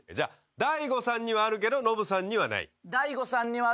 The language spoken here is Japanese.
大悟さんにはあるけどノブさんにはない。